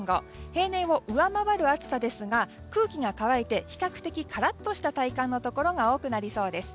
平年を上回る暑さですが空気が乾いて比較的カラッとした体感のところが多くなりそうです。